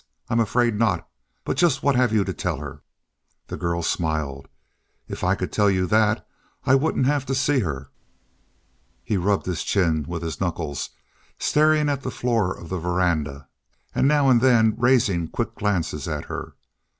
"I'm afraid not. But just what have you to tell her?" The girl smiled. "If I could tell you that, I wouldn't have to see her." He rubbed his chin with his knuckles, staring at the floor of the veranda, and now and then raising quick glances at her.